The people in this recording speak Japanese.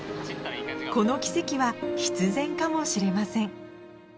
この奇跡は必然かもしれません